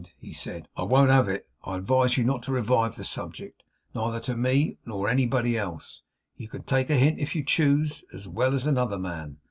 he said. 'I won't have it. I advise you not to revive the subject, neither to me nor anybody else. You can take a hint, if you choose as well as another man.